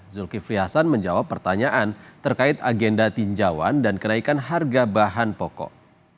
zulkifli hasan menjawab pertanyaan terkait agenda tinjauan dan kenaikan harga bahan pokok